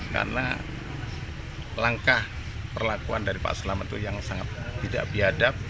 karena langkah perlakuan dari pak selamet itu yang sangat tidak biadab